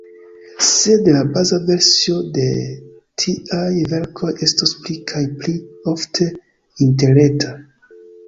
Sed la baza versio de tiaj verkoj estos pli kaj pli ofte interreta.